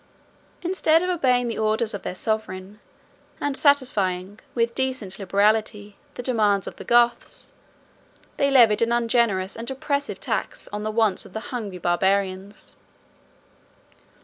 Instead of obeying the orders of their sovereign, and satisfying, with decent liberality, the demands of the Goths, they levied an ungenerous and oppressive tax on the wants of the hungry Barbarians.